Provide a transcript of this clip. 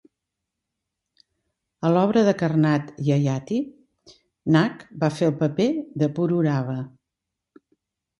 A l'obra de Karnad "Yayati", Nag va fer el paper de Pururava.